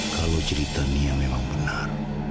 kalau cerita nia memang benar